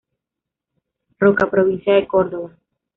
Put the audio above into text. Roca, provincia de Córdoba.